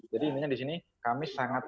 jadi intinya disini kami sangat